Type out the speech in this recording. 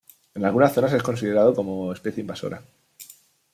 En algunas zonas, es considerado como especie invasora.